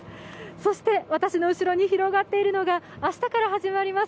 そして私の後ろに広がっているのが明日から始まります